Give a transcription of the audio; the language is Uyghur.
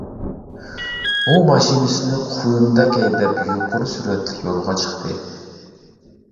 ئۇ ماشىنىسىنى قۇيۇندەك ھەيدەپ يۇقىرى سۈرئەتلىك يولغا چىقتى.